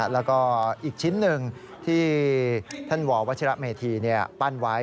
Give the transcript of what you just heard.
แล้วก็อีกชิ้นหนึ่งที่ท่านววัชิระเมธีปั้นไว้